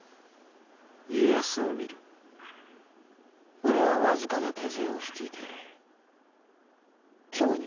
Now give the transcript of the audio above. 俺は僅かな手勢を率いて京に向かう。